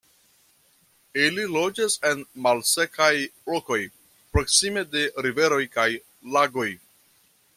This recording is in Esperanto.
Ili loĝas en malsekaj lokoj proksime de riveroj kaj lagoj.